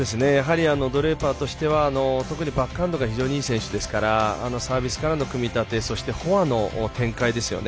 ドレイパーとしては特にバックハンドが非常にいい選手ですからサービスからの組み立てそしてフォアの展開ですよね。